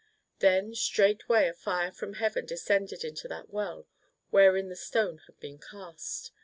Then straight way a fire from Heaven descended into that well wherein the stone had been cast.